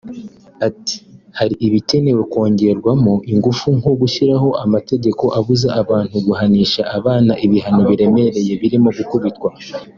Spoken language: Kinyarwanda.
Ati “Hari ibikenewe kongerwamo ingufu nko gushyiraho amategeko abuza abantu guhanisha abana ibihano biremereye birimo gukubitwa